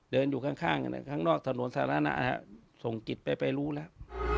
เดินอยู่ข้างข้างนอกถนนสาธารณะส่งกิจไปไปรู้แล้ว